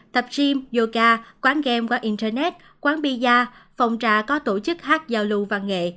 tập gym yoga quán game qua internet quán bia phòng trà có tổ chức hát giao lưu và nghệ